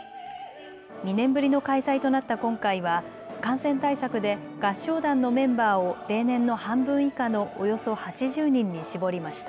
２年ぶりの開催となった今回は感染対策で合唱団のメンバーを例年の半分以下のおよそ８０人に絞りました。